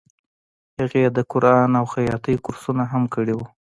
هغې د قرآن او خیاطۍ کورسونه هم کړي وو